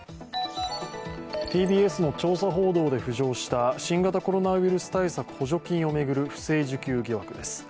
ＴＢＳの調査報道で浮上した新型コロナ対策補助金を巡る不正受給疑惑です。